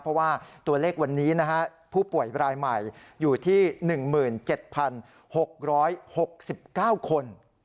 เพราะว่าตัวเลขวันนี้ผู้ป่วยรายใหม่อยู่ที่๑๗๖๖๙คน